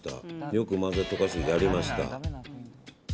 よく混ぜて溶かす、やりました。